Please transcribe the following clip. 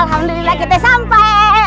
alhamdulillah kita sampai